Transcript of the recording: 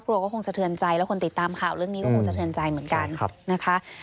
ก็คงสะเทือนใจแล้วคนติดตามข่าวเรื่องนี้ก็คงสะเทือนใจเหมือนกันนะคะ